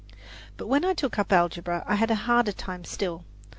But when I took up algebra I had a harder time still.